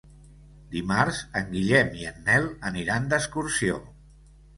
Dimarts en Guillem i en Nel aniran d'excursió.